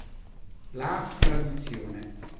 La tradizione.